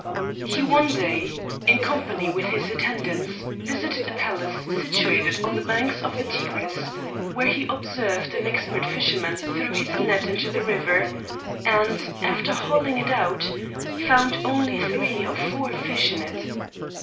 He one day, in com pany with his attendants, visited a palace situated on the banks of the Tigris, where he observed an expert fisher man throw his net into the river, and, after hauling it out, found only three or four fish in it.